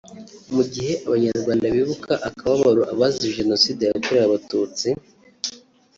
Mu gihe Abanyarwanda bibukana akababaro abazize Jenoside yakorewe Abatutsi